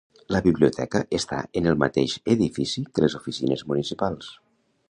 La biblioteca està en el mateix edifici que les oficines municipals.